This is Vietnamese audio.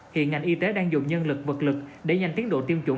hiện ngành y tế đang dùng nhân lực vật lực để nhanh tiến độ tiêm chủng